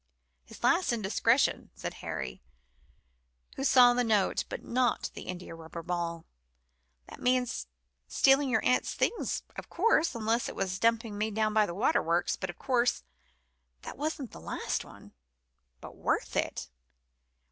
"His last indiscretion," said Harry, who saw the note but not the india rubber ball, "that means stealing your aunts' things, of course, unless it was dumping me down by the waterworks, but, of course, that wasn't the last one. But worth it?